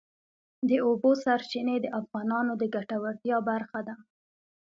د اوبو سرچینې د افغانانو د ګټورتیا برخه ده.